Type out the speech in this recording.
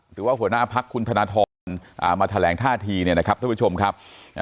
หรือว่าหัวหน้าภักดิ์คุณธนทรมาแถลงท่าทีนะครับท่านผู้ชมครับ